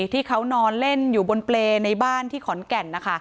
ที่เขานอนเล่นอยู่บนเปรย์ในบ้านที่ขอนแก่น